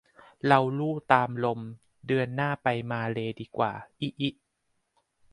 เราลู่ตามลม เดือนหน้าไปมาเลย์ดีกว่า อิอิ